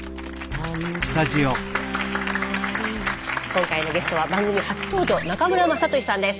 今回のゲストは番組初登場中村雅俊さんです。